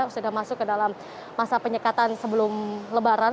yang sudah masuk ke dalam masa penyekatan sebelum lebaran